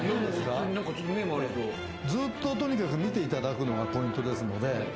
ずっととにかく見ていただくのがポイントですので。